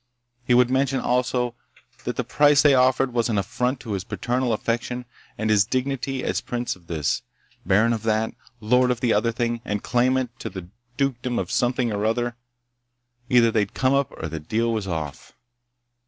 He would mention also that the price they offered was an affront to his paternal affection and his dignity as prince of this, baron of that, lord of the other thing and claimant to the dukedom of something or other. Either they'd come up or the deal was off!